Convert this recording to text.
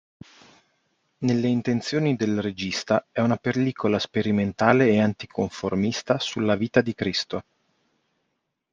Nelle intenzioni del regista è una pellicola sperimentale e anticonformista sulla vita di Cristo.